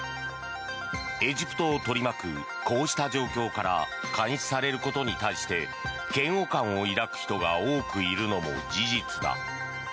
エジプトを取り巻くこうした状況から監視されることに対して嫌悪感を抱く人が多くいるのも事実だ。